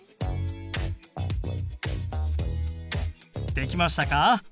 できましたか？